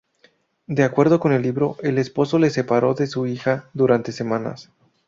De acuerdo con el libro, el esposo le separó de su hija durante semanas.